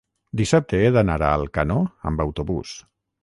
dissabte he d'anar a Alcanó amb autobús.